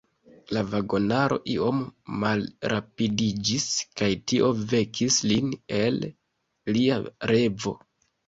La vagonaro iom malrapidiĝis, kaj tio vekis lin el lia revo.